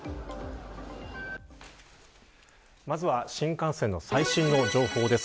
まずは新幹線の最新の情報です。